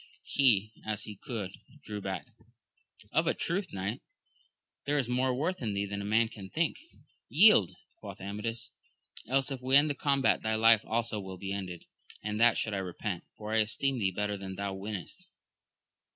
He, as he could, drew back, — Of a truth, knight, there is more worth in thee than man can think. Yield ! quoth Amadis, else if we end the combat thy life also will be ended ; and that should I repent, for I esteem of theeJ)etter than thou weenest.